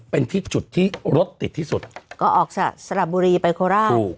เป็นที่จุดที่รถติดที่สุดก็ออกจากสระบุรีไปโคราชถูก